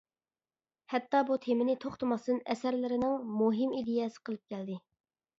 ھەتتا بۇ تېمىنى توختىماستىن ئەسەرلىرىنىڭ مۇھىم ئىدىيەسى قىلىپ كەلدى.